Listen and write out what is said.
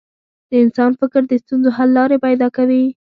د انسان فکر د ستونزو حل لارې پیدا کوي.